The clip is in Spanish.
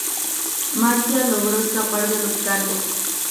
Marcia logró escapar de los cargos.